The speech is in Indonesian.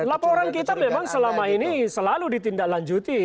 laporan kita memang selama ini selalu ditindaklanjuti